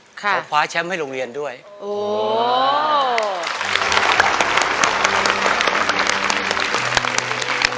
น้อยเกมค่ะเขาคว้าแชมป์ให้โรงเรียนด้วยโอ้